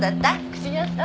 口に合った？